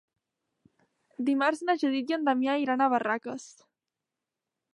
Dimarts na Judit i en Damià iran a Barraques.